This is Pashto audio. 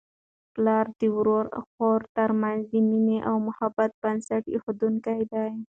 پلار د ورور او خور ترمنځ د مینې او محبت بنسټ ایښودونکی دی.